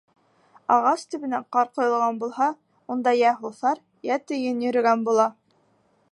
Ағас төбөнә ҡар ҡойолған булһа, унда йә һуҫар, йә тейен йөрөгән була.